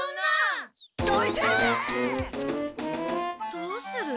どうする？